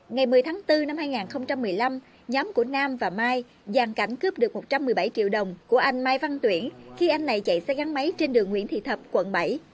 ngày một mươi tháng bốn năm hai nghìn một mươi năm nhóm của nam và mai gian cảnh cướp được một trăm một mươi bảy triệu đồng của anh mai văn tuyển khi anh này chạy xe gắn máy trên đường nguyễn thị thập quận bảy